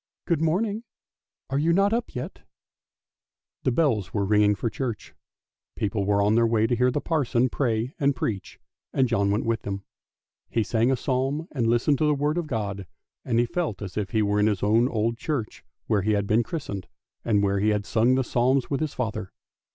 Good morning! Are you not up yet? " The bells were ringing for church ; people were on their way to hear the parson pray and preach, and John went with them. He sang a psalm and listened to the word of God, and he felt as if he were in his own old church, where he had been christened, and where he had sung the psalms with his father.